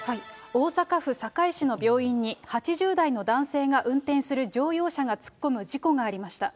大阪府堺市の病院に、８０代の男性が運転する乗用車が突っ込む事故がありました。